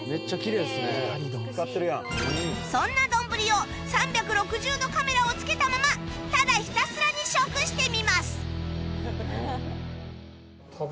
そんな丼を３６０度カメラをつけたままただひたすらに食してみます